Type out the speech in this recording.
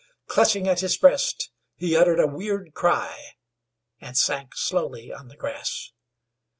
Clutching at his breast, he uttered a weird cry, and sank slowly on the grass.